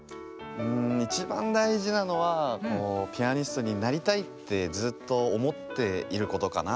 いちばんだいじなのはピアニストになりたいってずっとおもっていることかな。